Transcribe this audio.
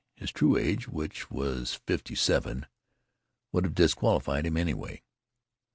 His true age, which was fifty seven, would have disqualified him, anyway.